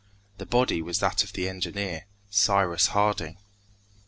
The body was that of the engineer, Cyrus Harding.